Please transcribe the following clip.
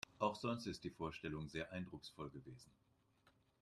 Auch sonst ist die Vorstellung sehr eindrucksvoll gewesen.